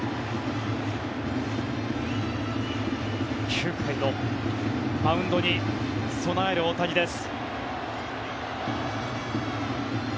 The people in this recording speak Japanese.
９回のマウンドに備える大谷です。